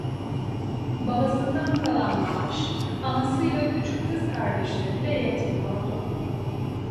Babasından kalan maaş, anasıyla küçük kız kardeşine bile yetmiyordu.